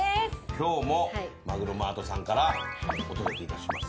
今日もマグロマートさんからお届けいたします。